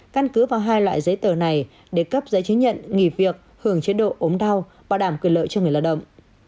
căn cứ vào hai loại giấy tờ này để cấp giấy chứng nhận nghỉ việc hưởng chế độ ốm đau bảo đảm quyền lợi cho người lao động